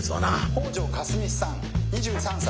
「北條かすみさん２３歳。